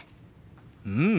うん！